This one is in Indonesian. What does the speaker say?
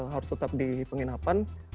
harus tetap di penginapan